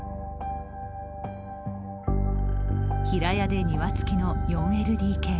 平屋で庭付きの４ＬＤＫ。